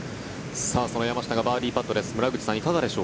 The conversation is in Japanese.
その山下がバーディーパットです。